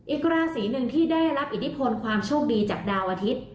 อีกราศีหนึ่งที่ได้รับอิทธิพลความโชคดีจากดาวอาทิตย์